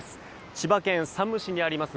千葉県山武市にあります